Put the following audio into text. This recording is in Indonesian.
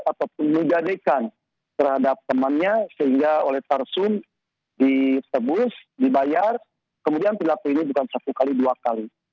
ataupun menyegadekan terhadap temannya sehingga oleh tarsum di sebus dibayar kemudian pelaku ini bukan satu kali dua kali